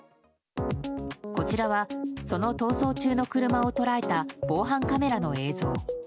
こちらはその逃走中の車を捉えた防犯カメラの映像。